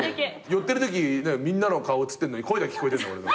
寄ってるときみんなの顔映ってんのに声だけ聞こえてんだ俺の。